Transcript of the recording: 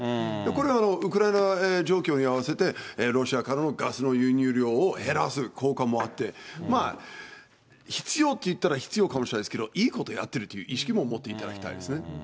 これはウクライナ状況に合わせて、ロシアからのガスの輸入量を減らす効果もあって、まあ、必要といったら必要かもしれないですけれども、いいことやってるという意識も持っていただきたいですね。